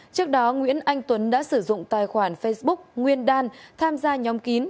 trước đó nguyễn anh tuấn đã sử dụng tài khoản facebook nguyên đan tham gia nhóm kín